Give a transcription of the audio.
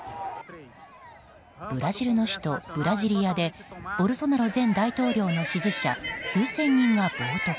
ブラジルの首都ブラジリアでボルソナロ前大統領の支持者数千人が暴徒化。